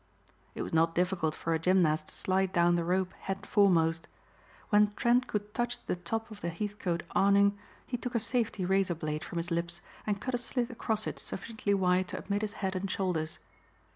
It was not difficult for a gymnast to slide down the rope head foremost. When Trent could touch the top of the Heathcote awning he took a safety razor blade from his lips and cut a slit across it sufficiently wide to admit his head and shoulders.